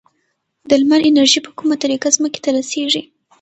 د لمر انرژي په کومه طریقه ځمکې ته رسیږي؟